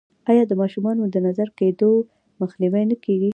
آیا د ماشومانو د نظر کیدو مخنیوی نه کیږي؟